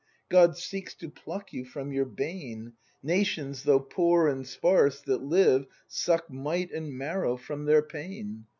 God seeks to pluck you from your bane; — Nations, though poor and sparse, that live. Suck might and marrow from their pain.